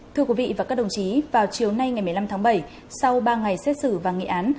thưa quý vị và các đồng chí vào chiều nay ngày một mươi năm tháng bảy sau ba ngày xét xử và nghị án